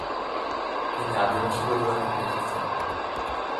তিনি আদিবাসী পরিবার থেকে এসেছেন।